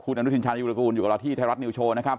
คุณอนุทินชาญวีรกูลอยู่กับเราที่ไทยรัฐนิวโชว์